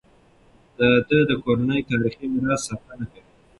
ده د کورنۍ تاریخي میراث ساتنه کوي.